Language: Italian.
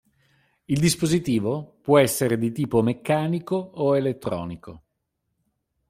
Il dispositivo può essere di tipo meccanico o elettronico.